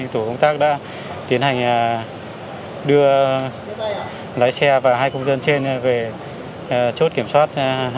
tổ công tác đã tiến hành đưa lái xe và hai công dân trên về chốt kiểm soát hai trăm ba mươi bảy